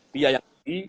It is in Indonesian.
dia yang jadi